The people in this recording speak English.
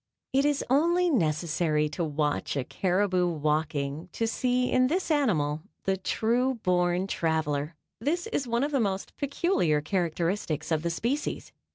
It is only necessary to watch a caribou walking to see in this animal the true born traveler. This is one of the most peculiar characteristics of the species.